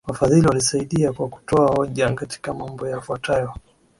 Wafadhili walisaidia kwa kutoa hoja katika mambo yafuatayo